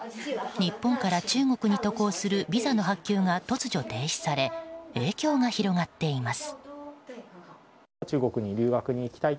日本から中国に渡航するビザの発給が突如停止され影響が広がっています。